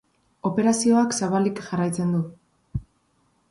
Operazioak zabalik jarraitzen du.